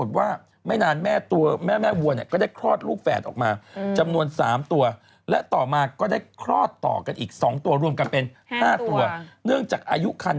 เจ้าขาวแม่วัวเนี่ยได้มีอาการแปลก